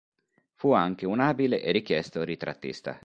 Fu anche un abile e richiesto ritrattista.